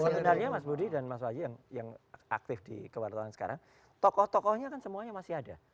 sebenarnya mas budi dan mas waji yang aktif di kewartawan sekarang tokoh tokohnya kan semuanya masih ada